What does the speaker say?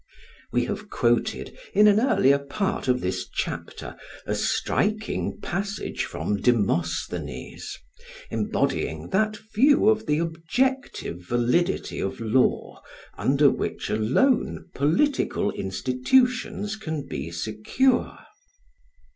We have quoted, in an earlier part of this chapter, a striking passage from Demosthenes, embodying that view of the objective validity of law under which alone political institutions can be secure.